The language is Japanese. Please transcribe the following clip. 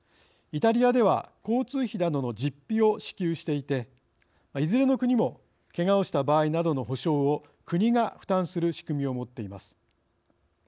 イタリアでは交通費などの実費を支給していていずれの国もけがをした場合などの補償を国が負担する仕組みを持っています。